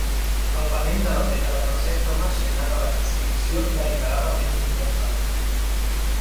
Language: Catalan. El panell de la dreta representa una escena de la crucifixió deliberadament antinatural.